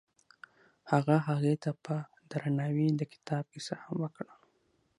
هغه هغې ته په درناوي د کتاب کیسه هم وکړه.